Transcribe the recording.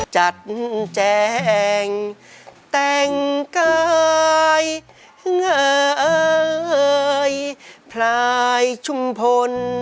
จัดแจ้งแต่งกายห่ายพลายชุมพล